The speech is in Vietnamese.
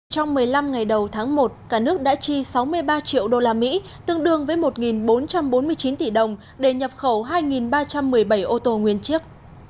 trong một mươi năm ngày đầu tháng một cả nước đã chi sáu mươi ba triệu usd tương đương với một bốn trăm bốn mươi chín tỷ đồng để nhập khẩu hai ba trăm một mươi bảy ô tô nguyên chiếc